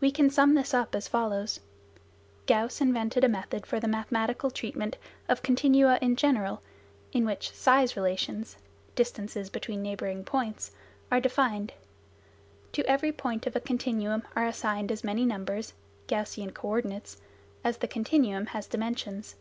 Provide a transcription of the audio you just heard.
We can sum this up as follows: Gauss invented a method for the mathematical treatment of continua in general, in which " size relations "(" distances " between neighbouring points) are defined. To every point of a continuum are assigned as many numbers (Gaussian coordinates) as the continuum has dimensions.